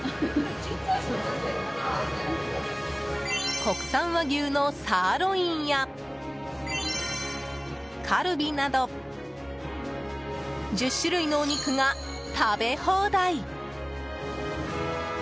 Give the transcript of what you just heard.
国産和牛のサーロインやカルビなど１０種類のお肉が食べ放題。